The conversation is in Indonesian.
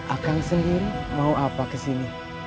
akan sendiri mau apa kesini